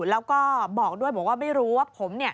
แล้วก็บอกด้วยบอกว่าไม่รู้ว่าผม